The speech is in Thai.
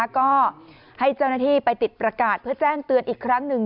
ก็ให้เจ้าหน้าที่ไปติดประกาศเพื่อแจ้งเตือนอีกครั้งหนึ่ง